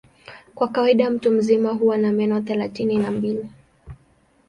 Kwa kawaida mtu mzima huwa na meno thelathini na mbili.